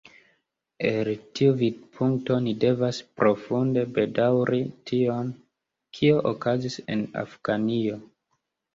El tiu vidpunkto ni devas profunde bedaŭri tion, kio okazis en Afganio.